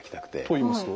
といいますと？